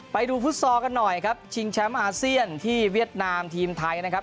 ฟุตซอลกันหน่อยครับชิงแชมป์อาเซียนที่เวียดนามทีมไทยนะครับ